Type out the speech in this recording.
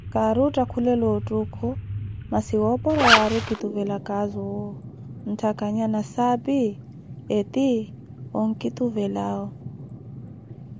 Kaari ottakhulelaka ottuukho, masi woopora waari okituvelazowo ntakhanya nasapi eti onkituvelawo.